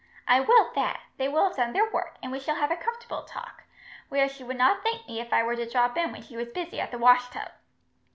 "I will that. They will have done their work, and we shall have a comfortable talk, whereas she would not thank me if I were to drop in when she was busy at the washtub."